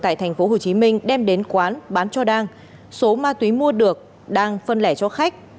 tại tp hcm đem đến quán bán cho đan số ma túy mua được đan phân lẻ cho khách